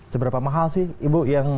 seberapa mahal sih ibu yang